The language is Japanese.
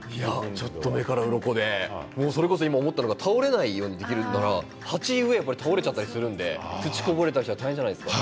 ちょっと目からうろこでそれこそ今思ったのが倒れないようにできるから鉢植えが倒れちゃったりするので土がこぼれちゃったりすると大変じゃないですか。